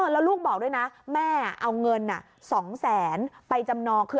แล้วลูกบอกด้วยนะแม่เอาเงิน๒แสนไปจำนองคือ